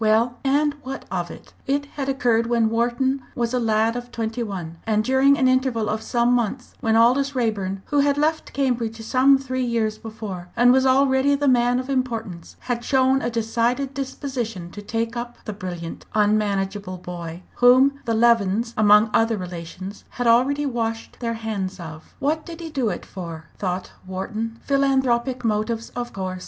Well, and what of it? It had occurred when Wharton was a lad of twenty one, and during an interval of some months when Aldous Raeburn, who had left Cambridge some three years before, and was already the man of importance, had shown a decided disposition to take up the brilliant, unmanageable boy, whom the Levens, among other relations, had already washed their hands of. "What did he do it for?" thought Wharton. "Philanthropic motives of course.